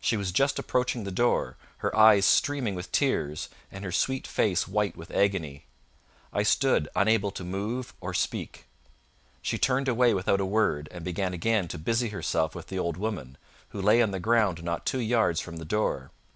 She was just approaching the door, her eyes streaming with tears, and her sweet face white with agony. I stood unable to move or speak. She turned away without a word, and began again to busy herself with the old woman, who lay on the ground not two yards from the door.